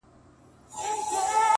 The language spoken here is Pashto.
ز ماپر حا ل باندي ژړا مه كوه ـ